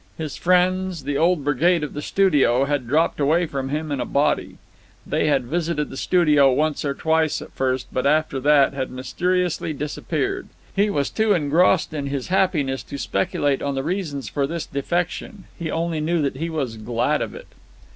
His friends, the old brigade of the studio, had dropped away from him in a body. They had visited the studio once or twice at first, but after that had mysteriously disappeared. He was too engrossed in his happiness to speculate on the reasons for this defection: he only knew that he was glad of it.